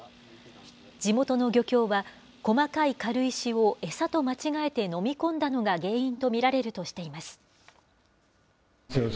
地元の漁協は、細かい軽石を餌と間違えて飲み込んだのが原因と見られるとしています。